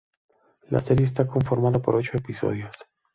La serie está conformada por ocho episodios.